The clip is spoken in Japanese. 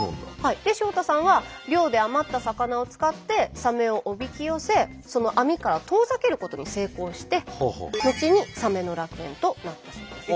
で塩田さんは漁で余った魚を使ってサメをおびき寄せ網から遠ざけることに成功して後にサメの楽園となったそうです。